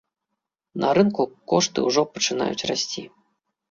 На рынку кошты ўжо пачынаюць расці.